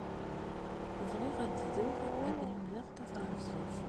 Bɣiɣ ad bduɣ ad lemdeɣ tafṛansist.